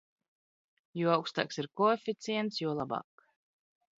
Jo augst?ks ir koeficients, jo lab?k.